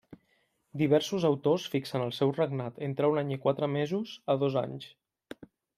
Diversos autors fixen el seu regnat entre un any i quatre mesos a dos anys.